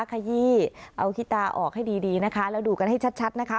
ขยี้เอาขี้ตาออกให้ดีดีนะคะแล้วดูกันให้ชัดนะคะ